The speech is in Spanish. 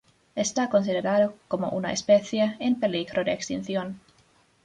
Está considerado como una especie en peligro de extinción.